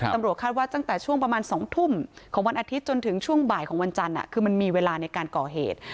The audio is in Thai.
ตำรวจคาดว่าตั้งแต่ช่วงประมาณ๒ทุ่มของวันอาทิตย์จนถึงช่วงบ่ายของวันจันทร์คือมันมีเวลาในการก่อเหตุ